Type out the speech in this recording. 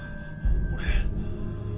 俺？